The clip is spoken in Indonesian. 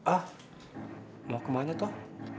ah mau kemana tuh